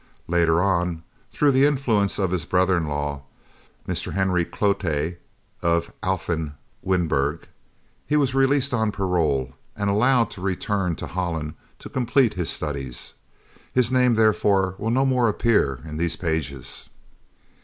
Later on, through the influence of his brother in law, Mr. Henry Cloete, of "Alphen," Wynberg, he was released on parole, and allowed to return to Holland to complete his studies. His name therefore will no more appear in these pages.